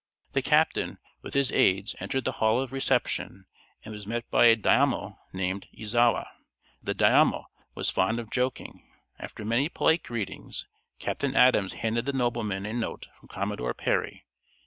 The captain, with his aides, entered the hall of reception, and was met by a daimio named Izawa. The daimio was fond of joking. After many polite greetings Captain Adams handed the nobleman a note from Commodore Perry.